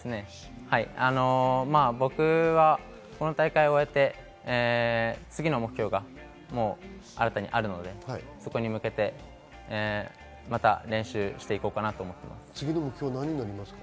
僕はこの大会を終えて次の目標が新たにあるので、そこに向けてまた練習して行こうかなと思っています。